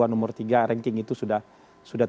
nomor tiga ranking itu sudah